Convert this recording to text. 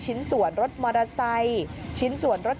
ชิ้นส่วนรถมอเตอร์ไซค์